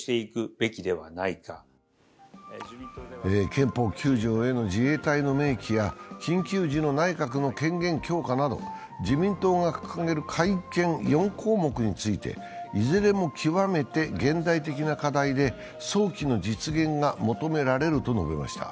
憲法９条への自衛隊の明記や緊急時の内閣の権限強化など自民党が掲げる改憲４項目についていずれも極めて現代的な課題で早期の実現が求められると述べました。